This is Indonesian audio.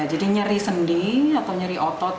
jadi nyeri sendi atau nyeri otot